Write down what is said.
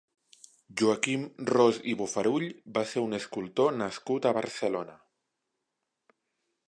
Joaquim Ros i Bofarull va ser un escultor nascut a Barcelona.